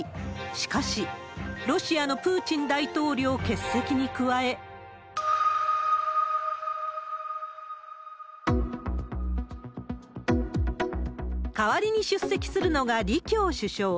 しかし、ロシアのプーチン大統領欠席に加え、代わりに出席するのが、李強首相。